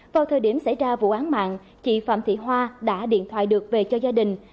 vào thời điểm xảy ra vụ án mạng chị phạm thị hoa đã điện thoại được về cho gia đình